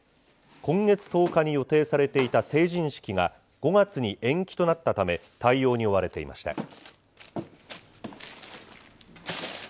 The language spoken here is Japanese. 今月１０日に予定されていた成人式が５月に延期となったため、対応に追われていました。